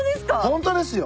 ホントですよ。